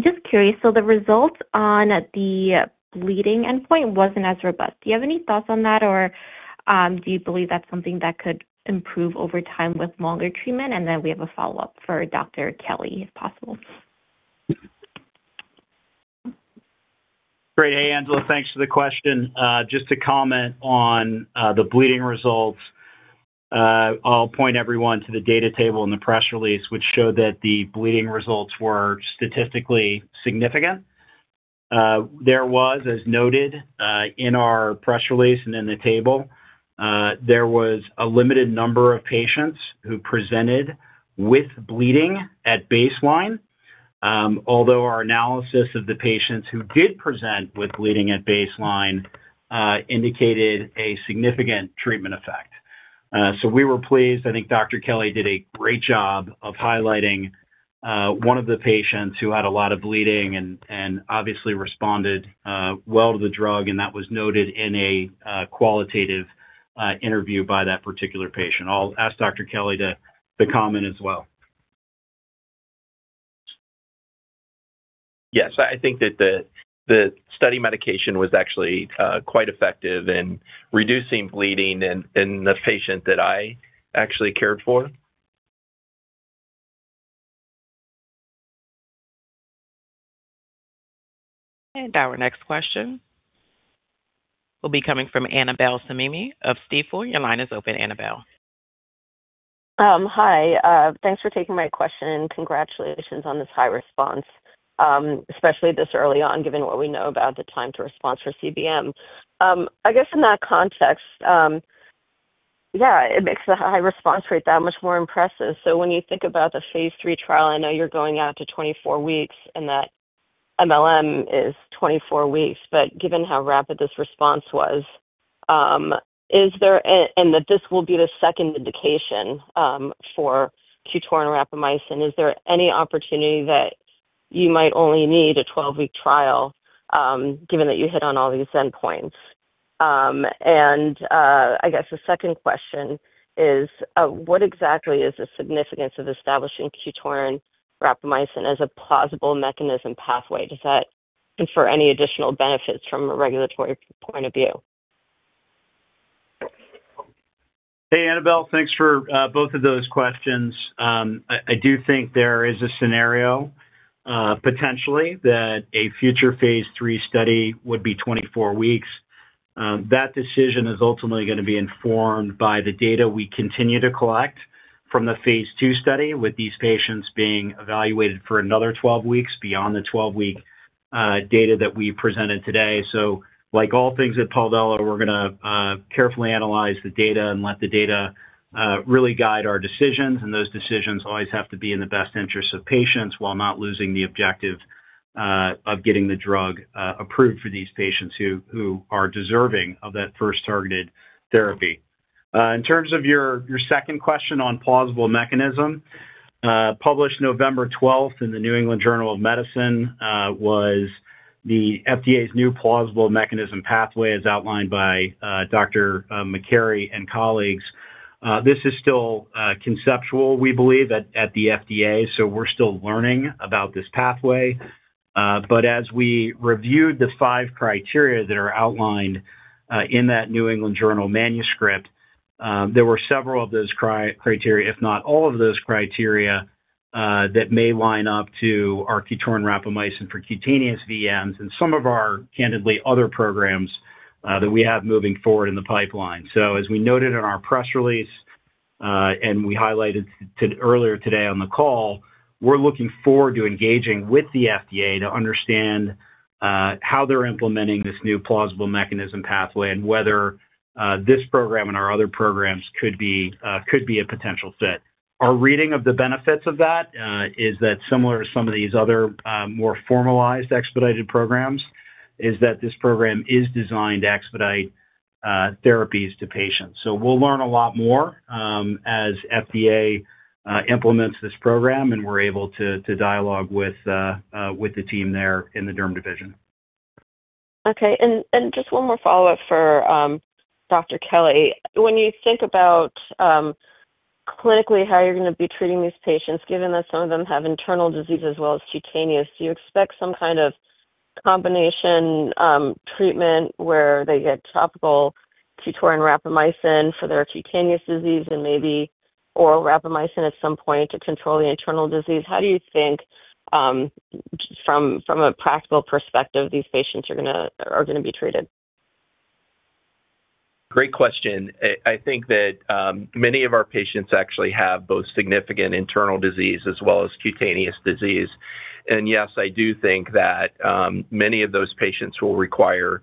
Just curious, so the results on the bleeding endpoint wasn't as robust. Do you have any thoughts on that, or do you believe that's something that could improve over time with longer treatment? And then we have a follow-up for Dr. Kelly, if possible. Great. Hey, Angela. Thanks for the question. Just to comment on the bleeding results, I'll point everyone to the data table and the press release, which showed that the bleeding results were statistically significant. There was, as noted in our press release and in the table, a limited number of patients who presented with bleeding at baseline, although our analysis of the patients who did present with bleeding at baseline indicated a significant treatment effect. So we were pleased. I think Dr. Kelly did a great job of highlighting one of the patients who had a lot of bleeding and obviously responded well to the drug, and that was noted in a qualitative interview by that particular patient. I'll ask Dr. Kelly to comment as well. Yes. I think that the study medication was actually quite effective in reducing bleeding in the patient that I actually cared for. Our next question will be coming from Annabel Samimi of Stifel. Your line is open, Annabel. Hi. Thanks for taking my question. Congratulations on this high response, especially this early on, given what we know about the time to response for cVM. I guess in that context, yeah, it makes the high response rate that much more impressive. So when you Phase III trial, i know you're going out to 24 weeks, and that MLM is 24 weeks. But given how rapid this response was, and that this will be the second indication for QTORIN rapamycin, is there any opportunity that you might only need a 12-week trial given that you hit on all these endpoints? And I guess the second question is, what exactly is the significance of establishing QTORIN rapamycin as a plausible mechanism pathway? Does that confer any additional benefits from a regulatory point of view? Hey, Annabel. Thanks for both of those questions. I do think there is a scenario potentially Phase III study would be 24 weeks. That decision is ultimately going to be informed by the data we continue to collect Phase II study, with these patients being evaluated for another 12 weeks beyond the 12-week data that we presented today. So like all things at Palvella, we're going to carefully analyze the data and let the data really guide our decisions. And those decisions always have to be in the best interests of patients while not losing the objective of getting the drug approved for these patients who are deserving of that first targeted therapy. In terms of your second question on plausible mechanism, published November 12th in the New England Journal of Medicine, was the FDA's new plausible mechanism pathway as outlined by Dr. McCarrey and colleagues. This is still conceptual, we believe, at the FDA, so we're still learning about this pathway. But as we reviewed the five criteria that are outlined in that New England Journal manuscript, there were several of those criteria, if not all of those criteria, that may line up to our QTORIN rapamycin for cutaneous VMs and some of our, candidly, other programs that we have moving forward in the pipeline. So as we noted in our press release, and we highlighted earlier today on the call, we're looking forward to engaging with the FDA to understand how they're implementing this new plausible mechanism pathway and whether this program and our other programs could be a potential fit. Our reading of the benefits of that is that, similar to some of these other more formalized expedited programs, is that this program is designed to expedite therapies to patients. So we'll learn a lot more as FDA implements this program, and we're able to dialogue with the team there in the derm division. Okay, and just one more follow-up for Dr. Kelly. When you think about clinically how you're going to be treating these patients, given that some of them have internal disease as well as cutaneous, do you expect some kind of combination treatment where they get topical QTORIN rapamycin for their cutaneous disease and maybe oral rapamycin at some point to control the internal disease? How do you think, from a practical perspective, these patients are going to be treated? Great question. I think that many of our patients actually have both significant internal disease as well as cutaneous disease. And yes, I do think that many of those patients will require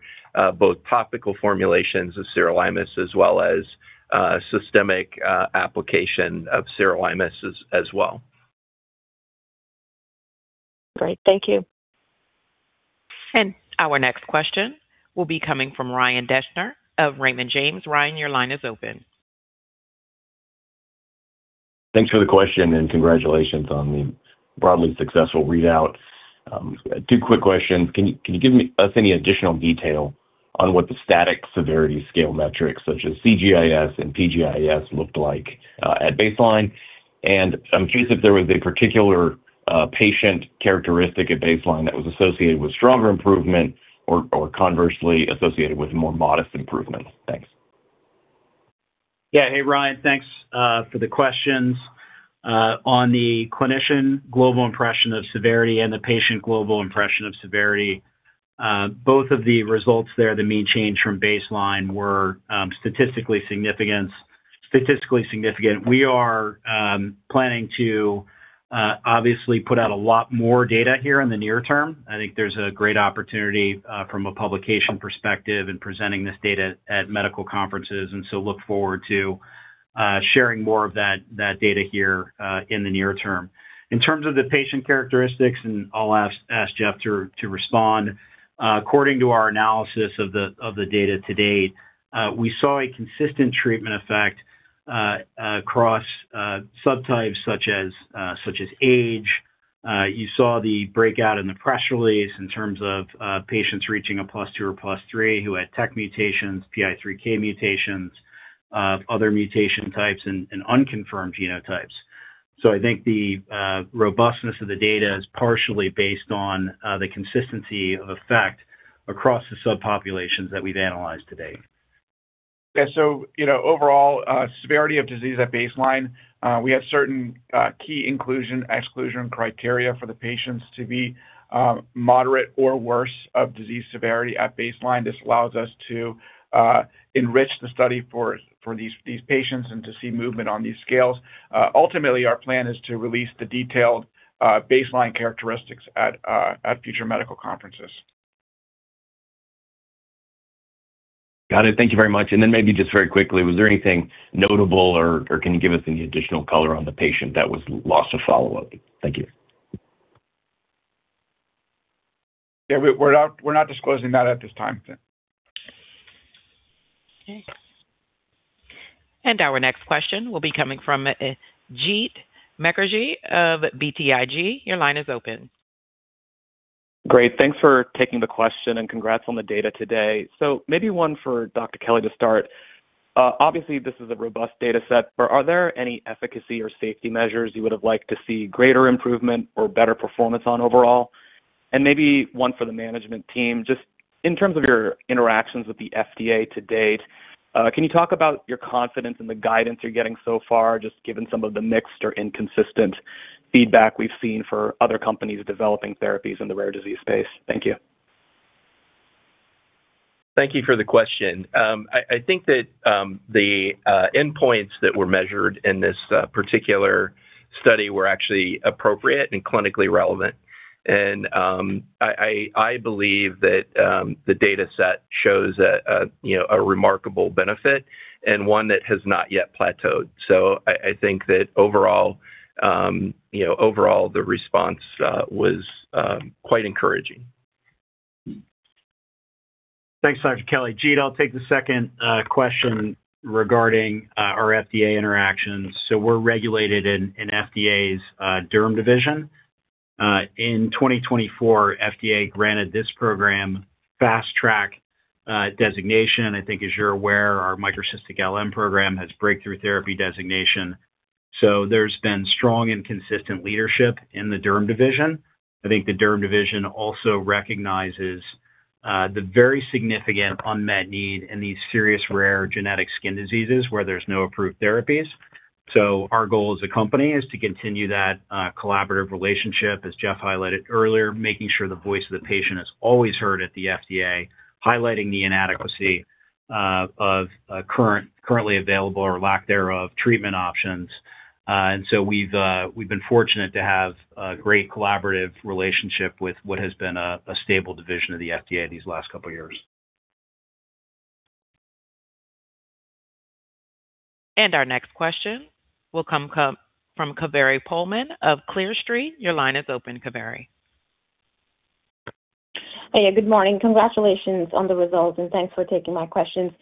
both topical formulations of sirolimus as well as systemic application of sirolimus as well. Great. Thank you. Our next question will be coming from Ryan Deschner of Raymond James. Ryan, your line is open. Thanks for the question, and congratulations on the broadly successful readout. Two quick questions. Can you give us any additional detail on what the static severity scale metrics, such as CGI-S and PGI-S, looked like at baseline? And I'm curious if there was a particular patient characteristic at baseline that was associated with stronger improvement or conversely associated with more modest improvement. Thanks. Yeah. Hey, Ryan. Thanks for the questions. On the Clinician Global Smpression of Severity and the Patient Global Impression of Severity, both of the results there, the mean change from baseline, were statistically significant. We are planning to obviously put out a lot more data here in the near term. I think there's a great opportunity from a publication perspective in presenting this data at medical conferences, and so look forward to sharing more of that data here in the near term. In terms of the patient characteristics, and I'll ask Jeff to respond, according to our analysis of the data to date, we saw a consistent treatment effect across subtypes such as age. You saw the breakout in the press release in terms of patients reaching a plus 2 or plus 3 who had TEK mutations, PI3K mutations, other mutation types, and unconfirmed genotypes. So I think the robustness of the data is partially based on the consistency of effect across the subpopulations that we've analyzed today. Yeah. So overall, severity of disease at baseline, we have certain key inclusion/exclusion criteria for the patients to be moderate or worse of disease severity at baseline. This allows us to enrich the study for these patients and to see movement on these scales. Ultimately, our plan is to release the detailed baseline characteristics at future medical conferences. Got it. Thank you very much. And then maybe just very quickly, was there anything notable or can you give us any additional color on the patient that was lost to follow-up? Thank you. Yeah. We're not disclosing that at this time. Our next question will be coming from Jeet Mukherjee of BTIG. Your line is open. Great. Thanks for taking the question and congrats on the data today. So maybe one for Dr. Kelly to start. Obviously, this is a robust data set, but are there any efficacy or safety measures you would have liked to see greater improvement or better performance on overall? And maybe one for the management team. Just in terms of your interactions with the FDA to date, can you talk about your confidence in the guidance you're getting so far, just given some of the mixed or inconsistent feedback we've seen for other companies developing therapies in the rare disease space? Thank you. Thank you for the question. I think that the endpoints that were measured in this particular study were actually appropriate and clinically relevant, and I believe that the data set shows a remarkable benefit and one that has not yet plateaued, so I think that overall, the response was quite encouraging. Thanks, Dr. Kelly. Jeet, I'll take the second question regarding our FDA interactions. So we're regulated in FDA's derm division. In 2024, FDA granted this program Fast Track designation. I think, as you're aware, our microcystic LM program has breakthrough therapy designation. So there's been strong and consistent leadership in the derm division. I think the derm division also recognizes the very significant unmet need in these serious rare genetic skin diseases where there's no approved therapies. So our goal as a company is to continue that collaborative relationship, as Jeff highlighted earlier, making sure the voice of the patient is always heard at the FDA, highlighting the inadequacy of currently available or lack thereof treatment options, and so we've been fortunate to have a great collaborative relationship with what has been a stable division of the FDA these last couple of years. Our next question will come from Kaveri Pohlman of Clear Street. Your line is open, Kaveri. Hey, good morning. Congratulations on the results, and thanks for taking my questions.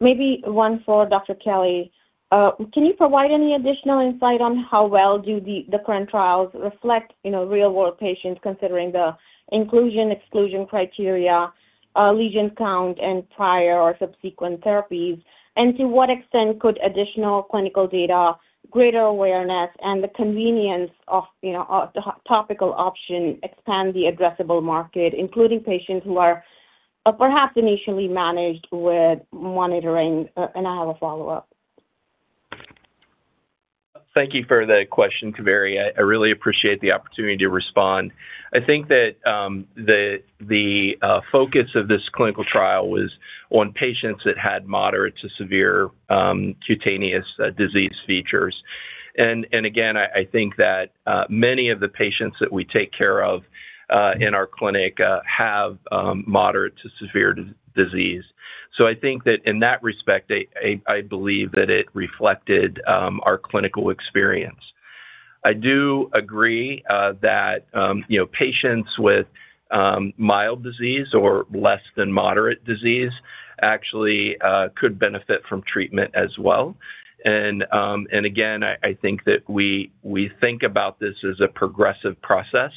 Maybe one for Dr. Kelly. Can you provide any additional insight on how well do the current trials reflect real-world patients considering the inclusion/exclusion criteria, lesion count, and prior or subsequent therapies? And to what extent could additional clinical data, greater awareness, and the convenience of topical option expand the addressable market, including patients who are perhaps initially managed with monitoring? And I have a follow-up. Thank you for the question, Kaveri. I really appreciate the opportunity to respond. I think that the focus of this clinical trial was on patients that had moderate to severe cutaneous disease features, and again, I think that many of the patients that we take care of in our clinic have moderate to severe disease, so I think that in that respect, I believe that it reflected our clinical experience. I do agree that patients with mild disease or less than moderate disease actually could benefit from treatment as well, and again, I think that we think about this as a progressive process,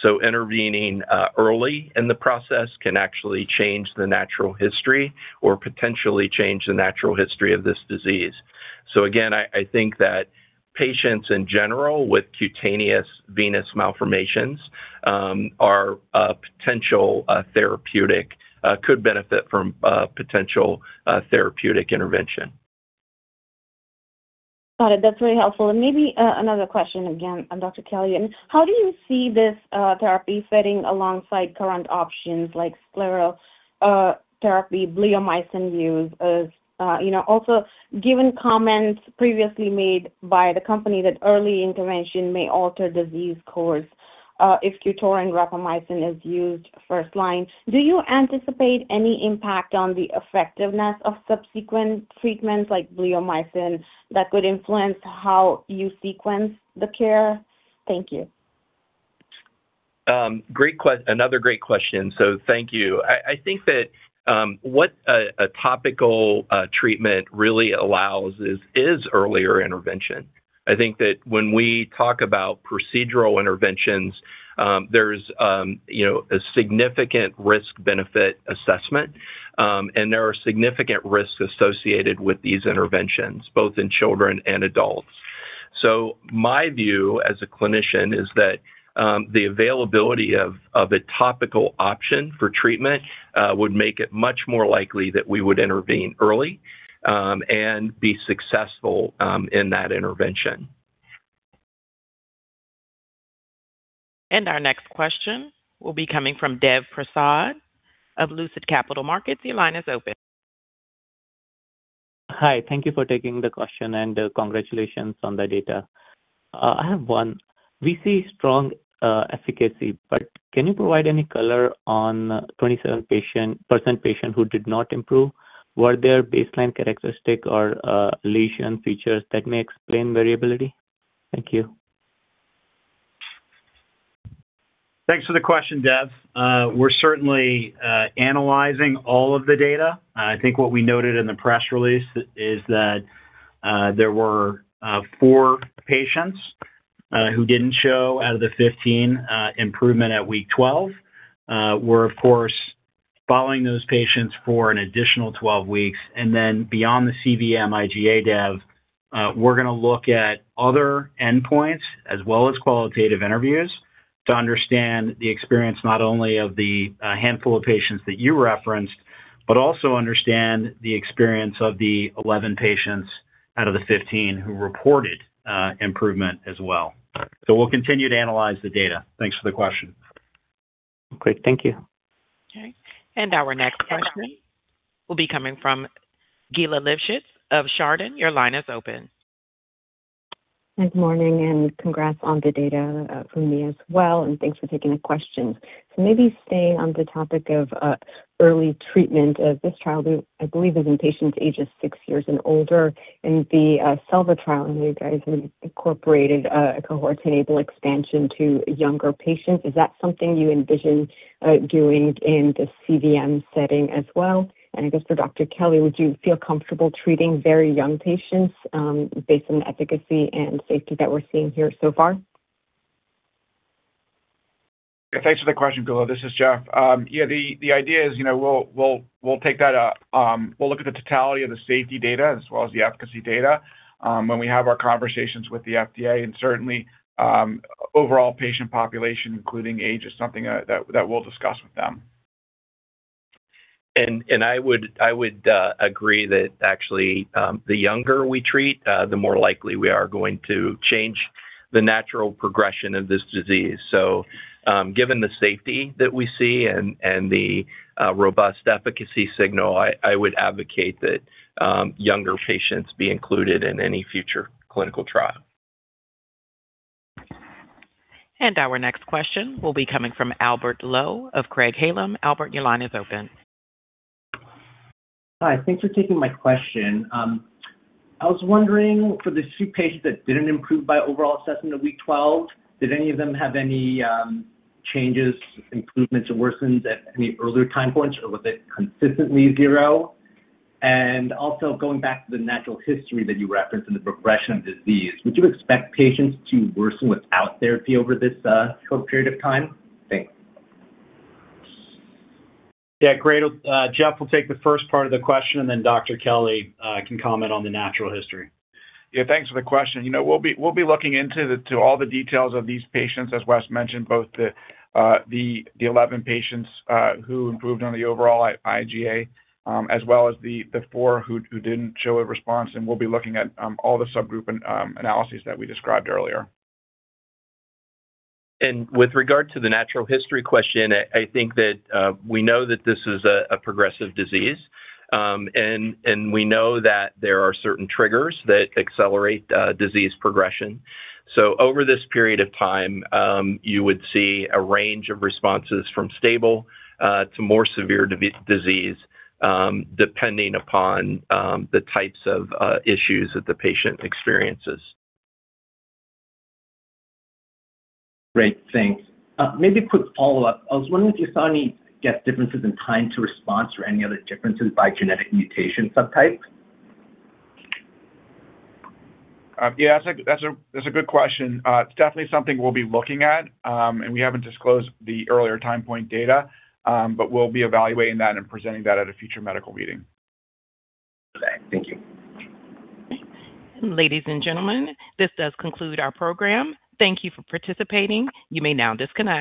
so intervening early in the process can actually change the natural history or potentially change the natural history of this disease, so again, I think that patients in general with cutaneous venous malformations are potential therapeutic could benefit from potential therapeutic intervention. Got it. That's very helpful. And maybe another question again on Dr. Kelly. And how do you see this therapy fitting alongside current options like sclerotherapy, bleomycin use? Also, given comments previously made by the company that early intervention may alter disease course if QTORIN rapamycin is used first-line, do you anticipate any impact on the effectiveness of subsequent treatments like bleomycin that could influence how you sequence the care? Thank you. Another great question. So thank you. I think that what a topical treatment really allows is earlier intervention. I think that when we talk about procedural interventions, there's a significant risk-benefit assessment, and there are significant risks associated with these interventions, both in children and adults. So my view as a clinician is that the availability of a topical option for treatment would make it much more likely that we would intervene early and be successful in that intervention. Our next question will be coming from Dev Prasad of Lucid Capital Markets. Your line is open. Hi. Thank you for taking the question, and congratulations on the data. I have one. We see strong efficacy, but can you provide any color on 27% patients who did not improve? Were there baseline characteristics or lesion features that may explain variability? Thank you. Thanks for the question, Dev. We're certainly analyzing all of the data. I think what we noted in the press release is that there were four patients who didn't show, out of the 15, improvement at week 12. We're, of course, following those patients for an additional 12 weeks. And then beyond the cVM-IGA, Dev, we're going to look at other endpoints as well as qualitative interviews to understand the experience not only of the handful of patients that you referenced, but also understand the experience of the 11 patients out of the 15 who reported improvement as well. So we'll continue to analyze the data. Thanks for the question. Great. Thank you. Okay. And our next question will be coming from Geulah Livshits of Chardan. Your line is open. Good morning, and congrats on the data from me as well. And thanks for taking the questions. So maybe staying on the topic of early treatment of this trial, I believe is in patients ages six years and older. In the SELVA trial, you guys incorporated a cohort-enabled expansion to younger patients. Is that something you envision doing in the cVM setting as well? And I guess for Dr. Kelly, would you feel comfortable treating very young patients based on the efficacy and safety that we're seeing here so far? Thanks for the question, Geulah. This is Jeff. Yeah, the idea is we'll take that. We'll look at the totality of the safety data as well as the efficacy data when we have our conversations with the FDA. And certainly, overall patient population, including age, is something that we'll discuss with them. And I would agree that actually, the younger we treat, the more likely we are going to change the natural progression of this disease. So given the safety that we see and the robust efficacy signal, I would advocate that younger patients be included in any future clinical trial. Our next question will be coming from Albert Lowe of Craig-Hallum. Albert, your line is open. Hi. Thanks for taking my question. I was wondering for the two patients that didn't improve by overall assessment of week 12, did any of them have any changes, improvements, or worsens at any earlier time points, or was it consistently zero? and also, going back to the natural history that you referenced and the progression of disease, would you expect patients to worsen without therapy over this short period of time? Thanks. Yeah. Jeff will take the first part of the question, and then Dr. Kelly can comment on the natural history. Yeah. Thanks for the question. We'll be looking into all the details of these patients, as Wes mentioned, both the 11 patients who improved on the overall IGA as well as the four who didn't show a response. And we'll be looking at all the subgroup analyses that we described earlier. With regard to the natural history question, I think that we know that this is a progressive disease, and we know that there are certain triggers that accelerate disease progression. Over this period of time, you would see a range of responses from stable to more severe disease depending upon the types of issues that the patient experiences. Great. Thanks. Maybe a quick follow-up. I was wondering if you saw any differences in time-to-response or any other differences by genetic mutation subtype. Yeah. That's a good question. It's definitely something we'll be looking at, and we haven't disclosed the earlier time point data, but we'll be evaluating that and presenting that at a future medical meeting. Okay. Thank you. Ladies and gentlemen, this does conclude our program. Thank you for participating. You may now disconnect.